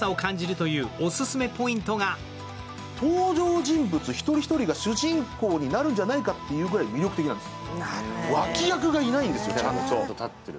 登場人物が一人一人主人公になるんじゃないかというくらい魅力的なんです。